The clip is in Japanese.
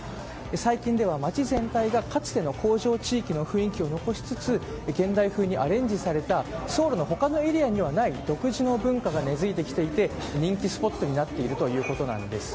最近では街全体がかつての工場地域の雰囲気を残しつつ現代風にアレンジされたソウルの他のエリアにはない独自の文化が根付いてきていて人気スポットになっているということなんです。